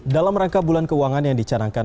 dalam rangka bulan keuangan yang dicanangkan